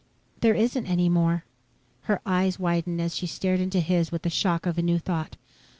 "There isn't any more." Her eyes widened as she stared into his with the shock of a new thought.